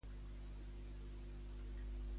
Saps si tinc missatges de Discord recents?